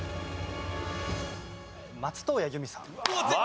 松任谷由実さん